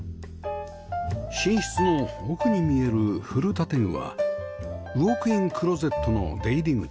寝室の奥に見える古建具はウォークインクローゼットの出入り口